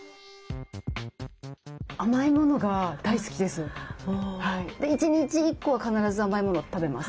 甘い物が大好きです。